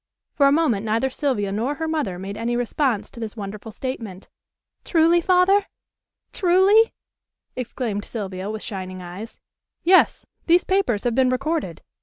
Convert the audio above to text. For a moment neither Sylvia nor her mother made any response to this wonderful statement. "Truly, Father? Truly?" exclaimed Sylvia with shining eyes. "Yes. These papers have been recorded.